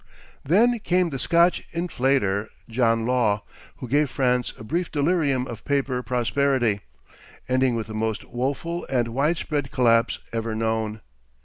Then came the Scotch inflator, John Law, who gave France a brief delirium of paper prosperity, ending with the most woful and widespread collapse ever known.